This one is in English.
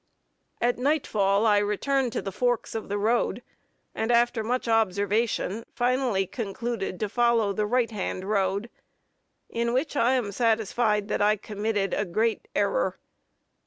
At nightfall I returned to the forks of the road, and after much observation, finally concluded to follow the right hand road, in which I am satisfied that I committed a great error.